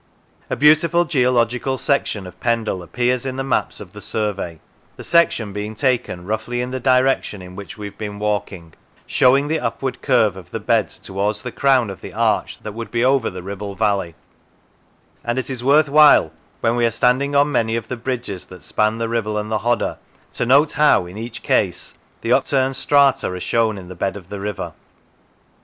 A beautiful geological section of Pendle appears in the maps of the Survey; the section being taken roughly in the direction in which we have been walking, showing the upward curve of the beds towards the crown of the arch that would be over the Ribble valley; and it is worth while, when we are standing on many of the bridges that span the Ribble and the Hodder, to note how, in each case, the upturned strata are shown in the bed of the river.